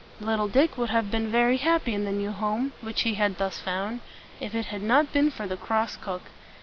Little Dick would have been very happy in the new home which he had thus found, if it had not been for the cross cook.